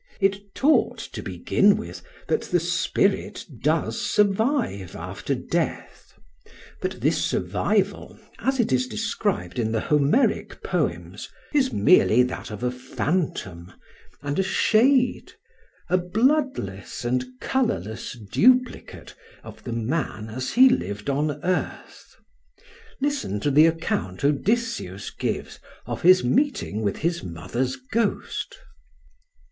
It taught, to begin with, that the spirit does survive after death. But this survival, as it is described in the Homeric poems, is merely that of a phantom and a shade, a bloodless and colourless duplicate of the man as he lived on earth. Listen to the account Odysseus gives of his meeting with his mother's ghost.